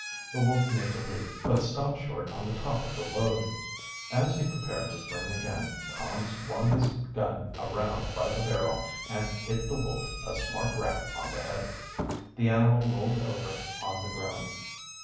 The wolf made the leap, but stopped short on the top of the load. As he prepared to spring again Tom swung his gun around by the barrel and hit the wolf a smart rap on the head. The animal rolled over on the ground.